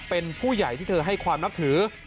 เป็นผู้ใหญ่ที่เธอให้ความนับถือ